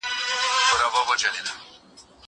زه به سبا د ښوونځی لپاره تياری وکړم.